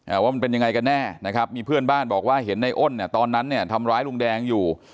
ว่ามันเป็นยังไงกันแน่นะครับมีเพื่อนบ้านบอกว่าเห็นในอ้นเนี่ยตอนนั้นเนี่ยทำร้ายลุงแดงอยู่